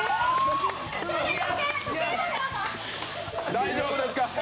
大丈夫ですか？